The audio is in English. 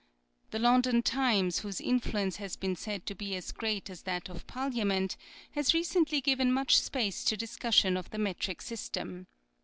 The London Times, whose influence has been said to be as great as that of Parlia ment, has recently given much space to dis cussion of the metric system.